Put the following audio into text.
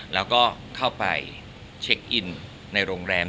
แล้วก็เข้าไปเช็คอินในโรงแรม